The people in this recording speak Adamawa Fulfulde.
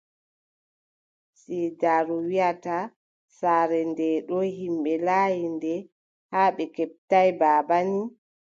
Siidaaru wiʼata, saare ndee ɗoo yimɓe laanyi nde, haa keɓta baaba nii,